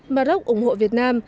maroc ủng hộ việt nam